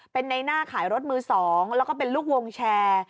เป็นในหน้าขายรถมือ๒แล้วก็เป็นลูกวงแชร์